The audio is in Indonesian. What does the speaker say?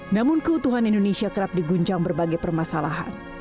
namun keutuhan indonesia kerap diguncang berbagai permasalahan